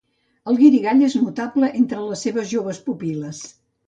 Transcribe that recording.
El guirigall és notable entre les seves joves pupil·les.